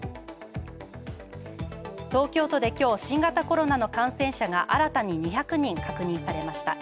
東京都で今日、新型コロナの感染者が新たに２００人確認されました。